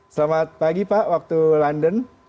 selamat pagi pak waktu london